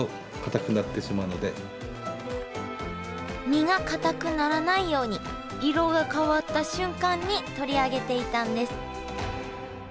身がかたくならないように色が変わった瞬間に取り上げていたんです。